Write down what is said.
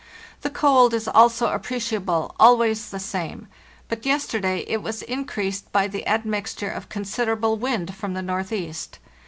The cold is also appreciable, always the same; but yesterday it was increased by the admixture of considerable wind from the northeast.